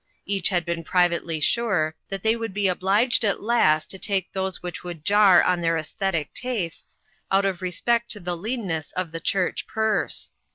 Each had been privately sure that the}' would be obliged at last to take those which would jar on their esthetic tastes, out of respect to the leanness of the church purse.